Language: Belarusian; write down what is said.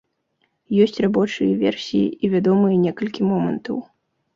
Ёсць рабочыя версіі і вядомыя некалькі момантаў.